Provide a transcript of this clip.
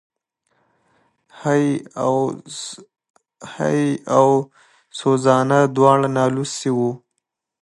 هېي او سوزانا دواړه نالوستي وو.